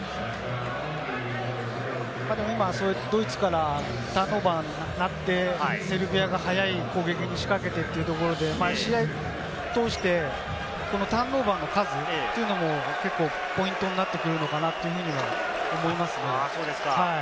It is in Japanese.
今、ドイツからターンオーバーになってセルビアが速い攻撃を仕掛けてというところで、試合を通してターンオーバーの数というのも結構、ポイントになってくるのかなと思いますね。